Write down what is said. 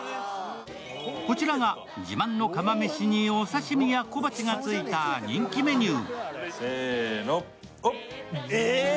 こちらが自慢の釜めしにお刺身や小鉢がついた人気メニュー。